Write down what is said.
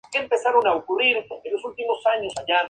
Juega de volante ofensivo o delantero.